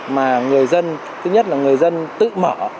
mà người dân thứ nhất là người dân tự mở